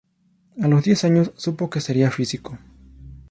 A los diez años supo que sería físico.